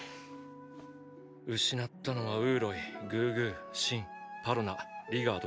失ったのはウーロイグーグーシンパロナリガードか。